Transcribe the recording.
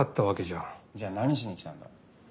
じゃあ何しに来たんだ？